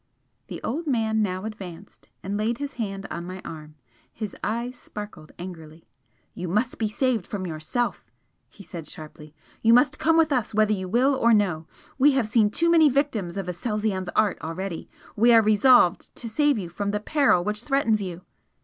The old man now advanced and laid his hand on my arm. His eyes sparkled angrily. "You must be saved from yourself" he said, sharply, "You must come with us whether you will or no! We have seen too many victims of Aselzion's art already we are resolved to save you from the peril which threatens you."